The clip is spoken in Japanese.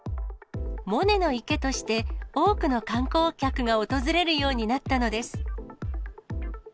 モネの池として、多くの観光客が訪れるようになったのです。